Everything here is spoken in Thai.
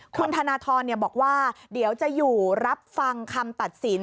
คุณธนทรบอกว่าเดี๋ยวจะอยู่รับฟังคำตัดสิน